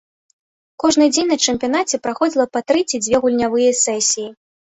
Кожны дзень на чэмпіянаце праходзіла па тры ці дзве гульнявыя сесіі.